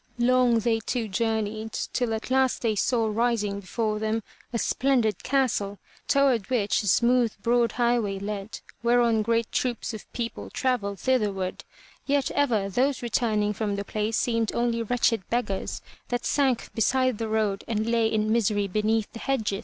Long they two journeyed till at last they saw rising before them a splendid castle, toward which a smooth broad highway led, whereon great troops of people travelled thitherward, yet ever those returning from the place seemed only wretched beggars that sank beside the road and lay in misery beneath the hedges.